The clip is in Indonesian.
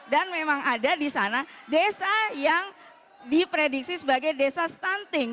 dan memang ada di sana desa yang diprediksi sebagai desa stunting